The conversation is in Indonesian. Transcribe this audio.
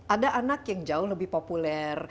ada anak yang jauh lebih populer